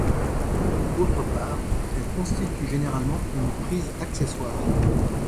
Autre part, elle constitue généralement une prise accessoire.